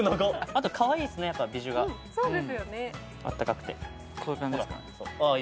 あとかわいいっすねやっぱビジュがあったかくてこういう感じですかねああ